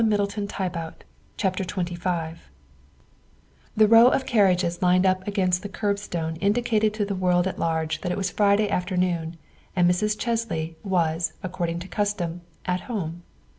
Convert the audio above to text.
THE SECRETARY OF STATE 241 XXV THE row of carriages lined up against the curbstone indicated to the world at large that it was Friday after noon and Mrs. Chesley was, according to custom, " at home."